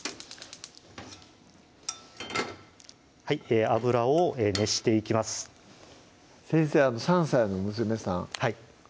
はい油を熱していきます先生３歳の娘さん